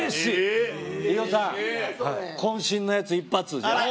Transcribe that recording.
飯尾さん、こん身のやつ一発。